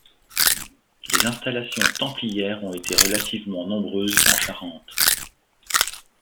Les installations templières ont été relativement nombreuses en Charente.